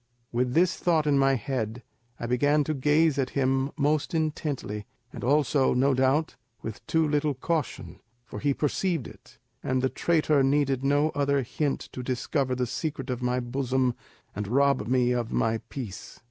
With this thought in my head I began to gaze at him most intently, and also, no doubt, with too little caution, for he perceived it, and the traitor needed no other hint to discover the secret of my bosom and rob me of my peace.